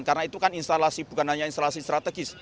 karena itu kan instalasi bukan hanya instalasi strategis